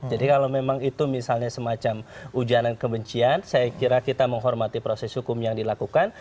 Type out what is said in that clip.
jadi kalau memang itu semacam ujaran kebencian saya kira kita menghormati proses hukum yang dilakukan